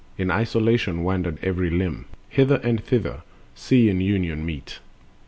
In isolation wandered every limb, Hither and thither seeing union meet. 59.